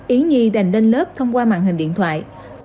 yến nhi đành lên lớp thông qua mạng hình điện thoại